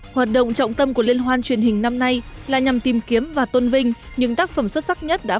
hoạt động trọng tâm của liên hoan truyền hình năm nay là nhằm tìm kiếm và tôn vinh những tác phẩm xuất sắc nhất đã